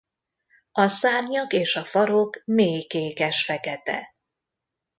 A szárnyak és a farok mély kékesfekete.